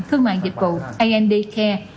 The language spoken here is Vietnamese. thương mạng dịch vụ and care